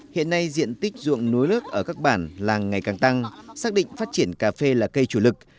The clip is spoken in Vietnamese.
hiện nay diện tích ruộng núi lớt ở các bản làng ngày càng tăng xác định phát triển cà phê là cây chủ lực